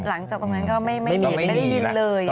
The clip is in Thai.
หลังจากตรงนั้นก็ไม่ได้ยินเลยอะ